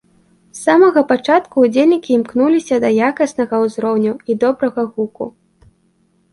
З самага пачатку ўдзельнікі імкнуліся да якаснага ўзроўню і добрага гуку.